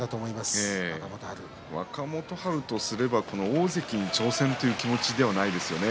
若元春とすれば大関挑戦という気持ちではないでしょうね。